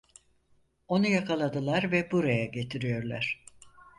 Onu yakaladılar ve buraya getiriyorlar…